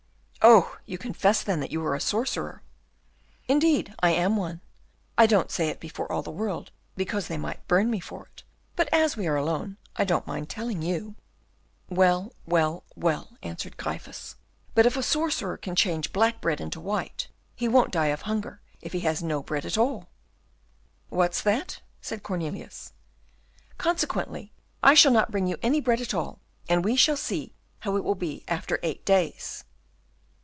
"Oh! you confess, then, that you are a sorcerer." "Indeed, I am one. I don't say it before all the world, because they might burn me for it, but as we are alone, I don't mind telling you." "Well, well, well," answered Gryphus. "But if a sorcerer can change black bread into white, won't he die of hunger if he has no bread at all?" "What's that?" said Cornelius. "Consequently, I shall not bring you any bread at all, and we shall see how it will be after eight days."